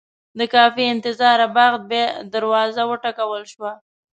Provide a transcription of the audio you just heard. د کافي انتظاره بعد بیا دروازه وټکول شوه.